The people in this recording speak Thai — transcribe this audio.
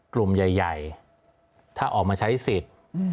กลุ่มใหญ่ถ้าออกมาใช้สิทธิ์